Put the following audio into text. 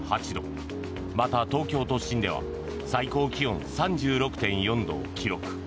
また、東京都心では最高気温３６．４度を記録。